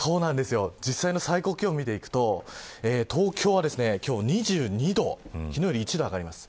実際の最高気温を見ていくと東京は今日は２２度で昨日より１度上がります。